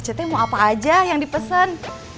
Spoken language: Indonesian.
cetek mau apa aja yang dipesen